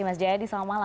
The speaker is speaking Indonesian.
mas jayadi selamat malam